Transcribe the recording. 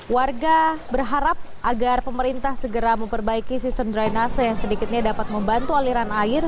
warga berharap agar pemerintah segera memperbaiki sistem drainase yang sedikitnya dapat membantu aliran air